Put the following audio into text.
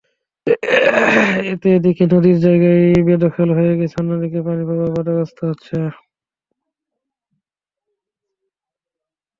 এতে একদিকে নদীর জায়গা বেদখল হয়ে গেছে, অন্যদিকে পানিপ্রবাহ বাধাগ্রস্ত হচ্ছে।